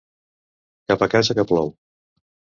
Cap a casa, que plou.